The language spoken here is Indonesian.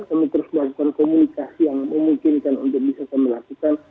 kami terus melakukan komunikasi yang memungkinkan untuk bisa kami lakukan